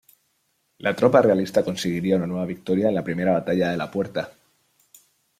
La tropa realista conseguiría una nueva victoria en la Primera Batalla de La Puerta.